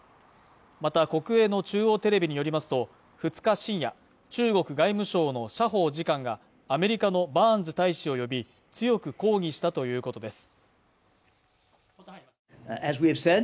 また国営の中央テレビによりますと２日深夜中国外務省の謝鋒次官がアメリカのバーンズ大使を呼び強く抗議したということです